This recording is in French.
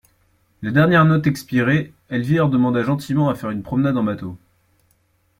La dernière note expirée, Elvire demanda gentiment à faire une promenade en bateau.